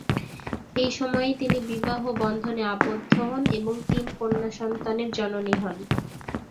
এই সময়েই তিনি বিবাহবন্ধনে আবদ্ধ হন এবং তিন কন্যা সন্তানের জননী হন।